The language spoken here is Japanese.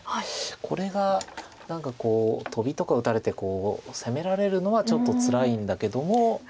これが何かこうトビとか打たれて攻められるのはちょっとつらいんだけども。